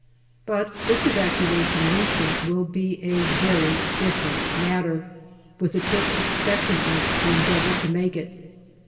But this evacuation we think will be a very different matter, with the Turks expecting us to endeavour to make it.